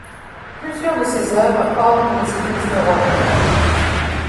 Plusieurs de ses œuvres ornent les églises de Rome.